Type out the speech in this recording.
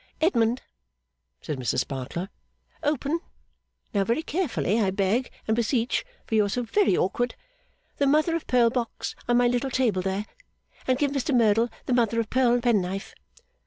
'Edmund,' said Mrs Sparkler, 'open (now, very carefully, I beg and beseech, for you are so very awkward) the mother of pearl box on my little table there, and give Mr Merdle the mother of pearl penknife.